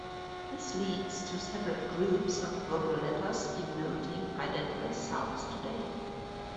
This leads to several groups of vowel letters denoting identical sounds today.